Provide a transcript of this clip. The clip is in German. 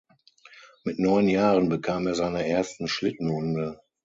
Mit neun Jahren bekam er seine ersten Schlittenhunde.